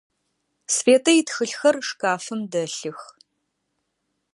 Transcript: Светэ итхылъхэр шкафым дэлъых.